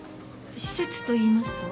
施設といいますと？